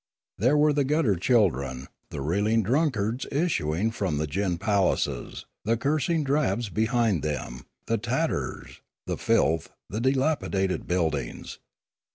There were the gut ter children, the reeling drunkards issuing from the gin palaces, the cursing drabs behind them, the tat ters, the filth, the dilapidated buildings.